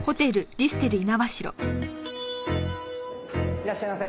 いらっしゃいませ。